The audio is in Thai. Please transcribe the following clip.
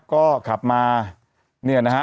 ก็ขับมาเนี่ยนะฮะ